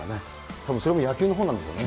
たぶん、それも野球の本なんでしょうね。